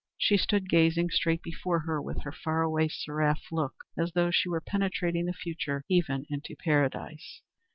She stood gazing straight before her with her far away, seraph look, as though she were penetrating the future even into Paradise.